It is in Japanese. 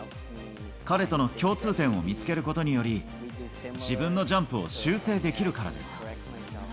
彼との共通点を見つけることにより、自分のジャンプを修正できるからです。